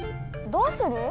どうする？